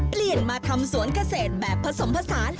เปลี่ยนมาทำสวนเกษตรแบบผสมผสาน